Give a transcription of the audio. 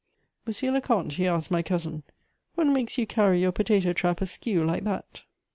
"Monsieur le comte," he asked my cousin, "what makes you carry your potato trap askew like that?"